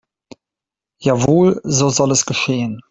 Jawohl, so soll es geschehen.